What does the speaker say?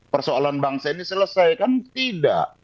persoalan bangsa ini selesai kan tidak